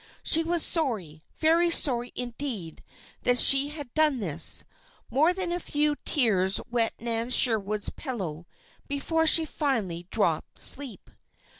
She was sorry, very sorry indeed, that she had done this. More than a few tears wet Nan Sherwood's pillow before she finally dropped asleep.